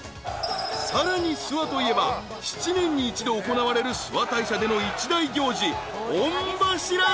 ［さらに諏訪といえば七年に一度行われる諏訪大社での一大行事］